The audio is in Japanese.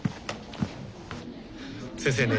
先生ね